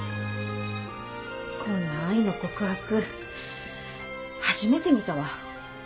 こんな愛の告白初めて見たわ。